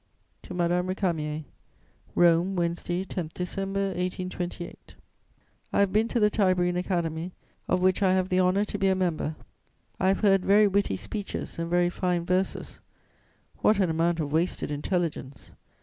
TO MADAME RÉCAMIER "ROME, Wednesday, 10 December 1828. "I have been to the Tiberine Academy, of which I have the honour to be a member. I have heard very witty speeches and very fine verses. What an amount of wasted intelligence!